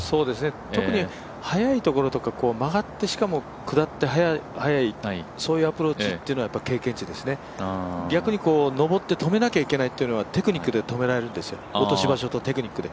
特に速いところとか曲がってしかも下って速い、そういうアプローチっていうのは経験値ですね、逆に上って止めなきゃいけないというのはテクニックで止められるんですよ、落とし場所とテクニックで。